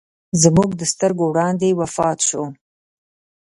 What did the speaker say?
زموږ د سترګو وړاندې وفات سو.